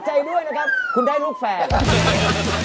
ไม่มีหรือเปล่าไม่มีคุณทั้งสองแปลกสวม